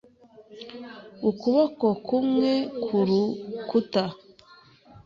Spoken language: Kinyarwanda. ukuboko kumwe kurukuta.